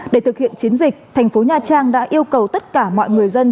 để thực hiện chiến dịch thành phố nha trang đã yêu cầu tất cả mọi người dân